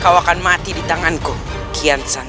kau akan mati di tanganku kian sang